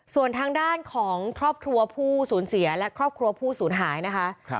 ส่วนทางด้านของครอบครัวผู้สูญเสียและครอบครัวผู้สูญหายนะคะ